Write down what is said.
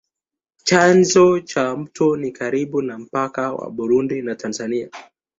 Chanzo cha mto ni karibu na mpaka wa Burundi na Tanzania.